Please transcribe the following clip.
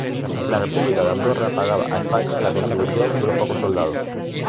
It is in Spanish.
La república de Andorra pagaba a España la contribución de unos pocos soldados.